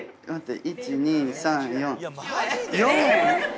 １・２・３・４。